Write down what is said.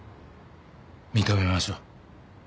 認めましょう。